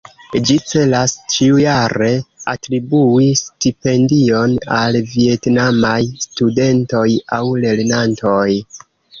Ĝi celas ĉiujare atribui stipendion al vjetnamaj studentoj aŭ lernantoj.